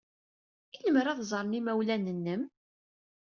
I lemmer ad ẓren yimawlan-nnem?